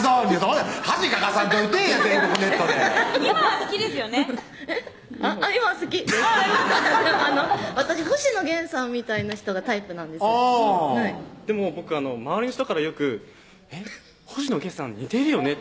あっ今は好きです私星野源さんみたいな人がタイプなんですでも僕周りの人からよく「星野源さん似てるよね」